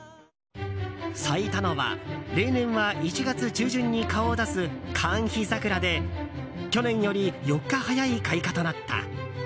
咲いたのは、例年は１月中旬に顔を出すカンヒザクラで去年より４日早い開花となった。